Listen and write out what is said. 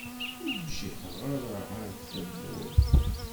Ur bjiḥeɣ ara ɛad tawwurt.